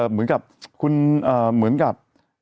เหมือนกับคุณเหมือนกับ